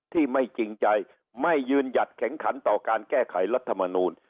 ที่ไม่จริงใจไม่ยืนหยัดแข็งขันต่อการแก้ไขรัฐมนูล